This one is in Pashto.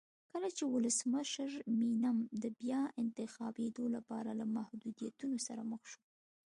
کله چې ولسمشر مینم د بیا انتخابېدو لپاره له محدودیتونو سره مخ شو.